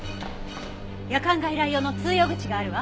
夜間外来用の通用口があるわ。